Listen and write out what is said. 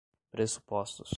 pressupostos